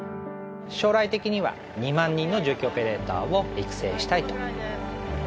将来的には２万人の重機オペレーターを育成したいと。